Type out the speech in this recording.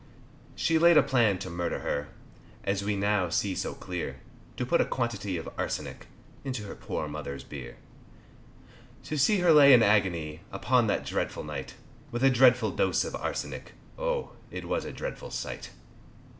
She laid a plan to murder her, As we now see so clear, To put a quantity of arsenic Into her poor mother's beer. To see her lay in agony, Upon that dreadful night, With a dreadful dose of arsenic, Oh, it was a dreadful sight.